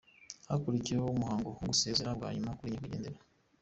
Hakurikiyeho umuhango wo gusezera bwa nyuma kuri Nyakwigendera.